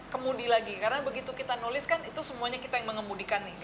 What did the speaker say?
kemudi lagi karena begitu kita nulis kan itu semuanya kita yang mengemudikan nih